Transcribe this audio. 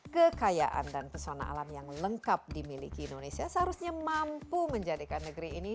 kekayaan dan pesona alam yang lengkap dimiliki indonesia seharusnya mampu menjadikan negeri ini